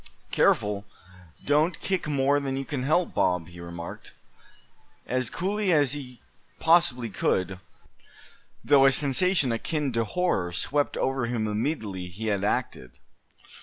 "Careful, don't kick more than you can help, Bob," he remarked, as coolly as he possibly could, though a sensation akin to horror swept over him immediately he had acted.